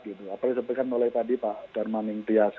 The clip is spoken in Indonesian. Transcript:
apa yang saya sebutkan tadi pak dharma mingtyas